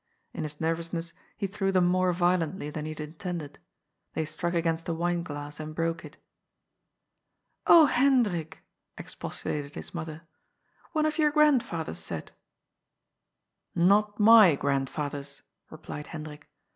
In his nervousness he threw them more violently than he had intended. They struck against a wine glass, and broke it. " Oh, Hendrik 1 " expostulated his mother, one of your grandfather's set 1 " "Not my grandfather's," replied Hendrik.